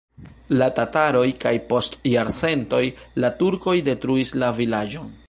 La tataroj kaj post jarcentoj la turkoj detruis la vilaĝon.